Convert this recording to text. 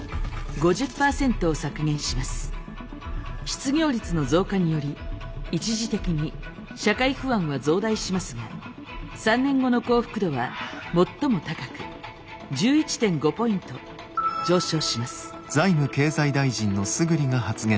失業率の増加により一時的に社会不安は増大しますが３年後の幸福度は最も高く１１．５ポイント上昇します。